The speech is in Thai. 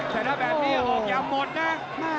แต่ถ้าแบบนี้ออกอย่าหมดนะ